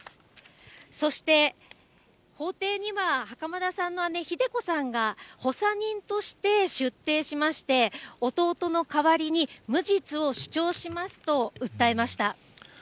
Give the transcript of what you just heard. そして、法廷には袴田さんの姉、ひで子さんが補佐人として出廷しまして、弟の代わりに無実を主張しますと訴えました。